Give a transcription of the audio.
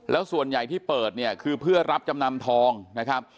แล้วส่วนใหญ่ที่เปิดเนี่ยคือเพื่อรับจำนำทองนะครับ